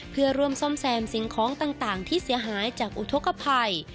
เพื่อร่วมซ่อมแซมสิ่งของต่างที่เสียหายจากอุทธกภัย